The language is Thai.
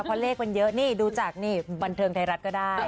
เพราะเลขมันเยอะนี่ดูจากนี่บันเทิงไทยรัฐก็ได้